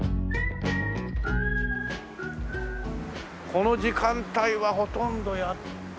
この時間帯はほとんどやって。